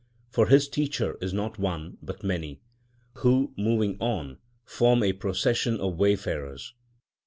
For his teacher is not one, but many, who, moving on, form a procession of wayfarers.